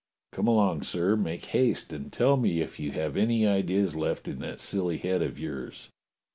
Come along, sir, make haste and tell me if you have any ideas left in that silly head of yours.